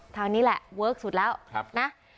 ทางนี้แหละเวิร์คสุดแล้วนะ